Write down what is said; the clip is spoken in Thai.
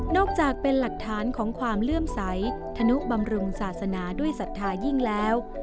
จากเป็นหลักฐานของความเลื่อมใสธนุบำรุงศาสนาด้วยศรัทธายิ่งแล้ว